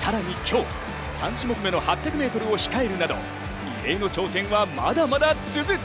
更に今日、３種目めの８００ｍが控えるなど異例の挑戦はまだまだ続く。